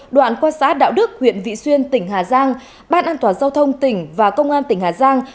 đoạn quan sát đạo đức huyện vị xuyên tỉnh hà giang bản an toàn giao thông tỉnh và công an tỉnh hà giang